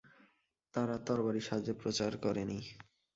তারা তরবারির সাহায্যে প্রচার করেনি।